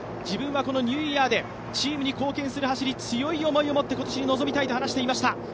自分はこのニューイヤーでチームに貢献する走りに強い思いを持って今年に臨みたいと話していました。